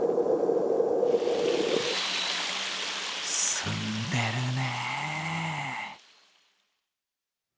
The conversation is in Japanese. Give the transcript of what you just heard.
澄んでるね。